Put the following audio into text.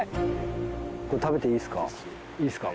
食べていいですか？